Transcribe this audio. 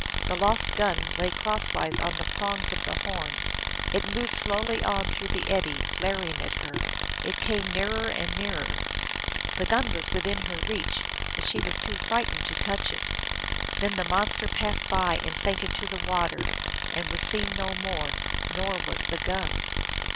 The lost gun lay crosswise on the prongs of the horns. It moved slowly on through the eddy, glaring at her. It came nearer and rfearer; the gun was within her reach, but she was too fright ened to touch it. Then the monster passed by and 326 THE ALGONQUIN LEGENDS. sank into the water, and was seen no more, nor was the gun.